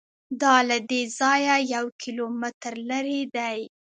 دا له دې ځایه یو کیلومتر لرې دی.